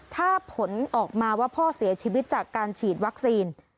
ถ้าผลออกมาว่าพ่อเสียชีวิตจากการฉีดวัคซีน